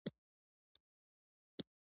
بې اعتمادۍ اړیکې خرابوي.